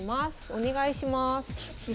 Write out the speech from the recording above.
お願いします。